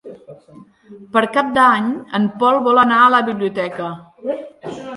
Per Cap d'Any en Pol vol anar a la biblioteca.